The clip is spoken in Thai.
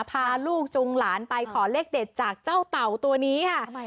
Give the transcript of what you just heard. พาลูกจุงหลานไปขอเลขเด็ดจากเจ้าเต่าตัวนี้ค่ะ